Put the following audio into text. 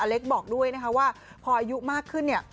อเล็กซ์บอกด้วยว่าพออายุมากขึ้น